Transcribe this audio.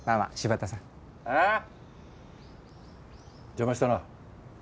邪魔したな。